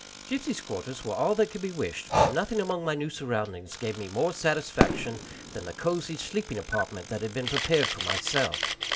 Gypsy's quarters were all that could be wished, but nothing among my new surroundings gave me more satisfaction than the cosey sleeping apartment that had been prepared for myself.